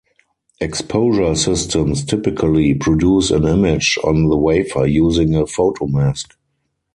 Exposure systems typically produce an image on the wafer using a photomask.